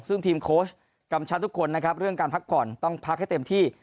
ซึ่งทีมโค้ชกำชับทุกคนนะครับเรื่องการพักผ่อนต้องพักให้เต็มที่